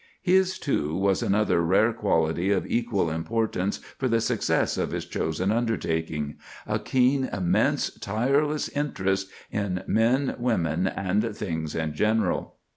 His, too, was another rare quality of equal importance for the success of his chosen undertaking—a keen, immense, tireless interest in "men, women, and things in general."